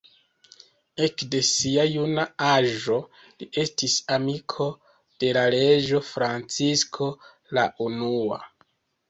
Ekde sia juna aĝo, li estis amiko de la reĝo Francisko la Unua.